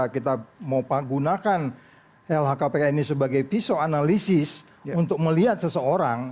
kita mau gunakan lhkpk ini sebagai pisau analisis untuk melihat seseorang